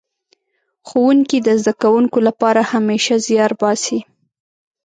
ښوونکي د زده کوونکو لپاره همېشه زيار باسي.